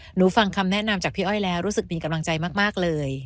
หนูฟังคำแนะนำจากพี่อ้อยแล้วรู้สึกมีกำลังใจมากเลย